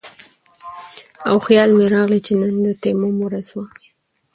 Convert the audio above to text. او خيال مې راغے چې نن د تيمم ورځ وه